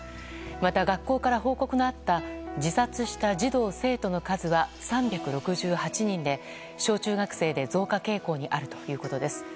また学校から報告があった自殺した児童生徒の数は３６８人で、小中学生で増加傾向にあるということです。